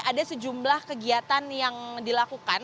ada sejumlah kegiatan yang dilakukan